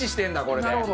これで。